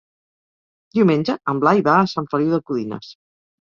Diumenge en Blai va a Sant Feliu de Codines.